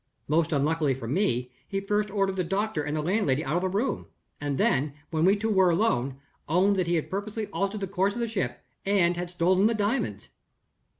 Most unluckily for me, he first ordered the doctor and the landlady out of the room; and then, when we two were alone, owned that he had purposely altered the course of the ship, and had stolen the diamonds.